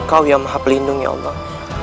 kau yang maha pelindungi allah